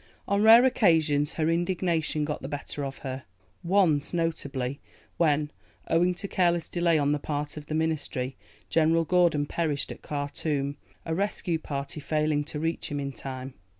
On rare occasions her indignation got the better of her once, notably, when, owing to careless delay on the part of the Ministry, General Gordon perished at Khartoum, a rescue party failing to reach him in time.